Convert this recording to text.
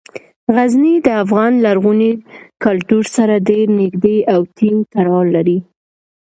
غزني د افغان لرغوني کلتور سره ډیر نږدې او ټینګ تړاو لري.